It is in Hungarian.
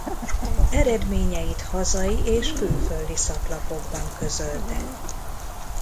Eredményeit hazai és külföldi szaklapokban közölte.